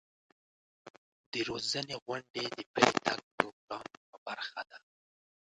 د روزنې غونډې د پلي تګ پروګرام یوه برخه ده.